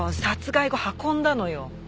殺害後運んだのよ。